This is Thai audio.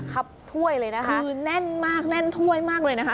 ถ้วยเลยนะคะคือแน่นมากแน่นถ้วยมากเลยนะคะ